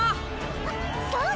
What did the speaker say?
あっそうだ。